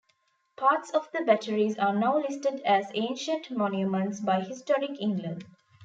Parts of the batteries are now listed as Ancient Monuments by Historic England.